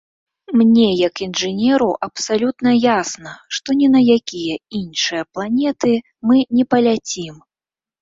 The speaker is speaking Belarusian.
Мне як інжынеру абсалютна ясна, што ні на якія іншыя планеты мы не паляцім.